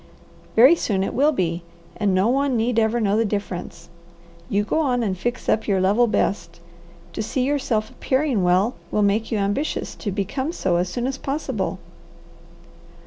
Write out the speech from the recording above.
Very soon it will be and no one need ever know the difference. You go on and fix up your level best. To see yourself appearing well will make you ambitious to become so as soon as possible."